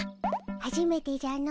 はじめてじゃの。